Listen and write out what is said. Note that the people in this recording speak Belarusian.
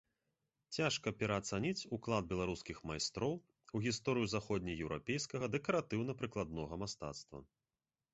Цяжка пераацаніць уклад беларускіх майстроў у гісторыю заходнееўрапейскага дэкаратыўна-прыкладнога мастацтва.